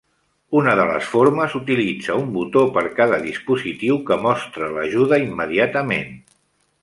Una de les formes utilitza un botó per cada dispositiu que mostra l'ajuda immediatament.